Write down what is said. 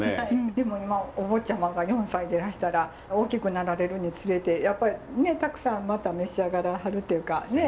でも今お坊ちゃまが４歳でらしたら大きくなられるにつれてやっぱりたくさん召し上がらはるというかねえ。